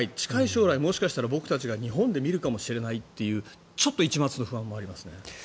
近い将来もしかしたら僕たちが日本で見るかもしれないというちょっと一抹の不安もあります。